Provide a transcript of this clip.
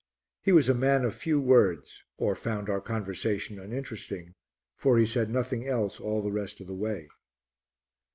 He was a man of few words, or found our conversation uninteresting, for he said nothing else all the rest of the way.